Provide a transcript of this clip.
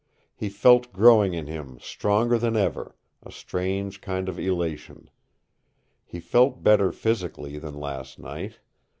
He felt growing in him stronger than ever a strange kind of elation. He felt better physically than last night.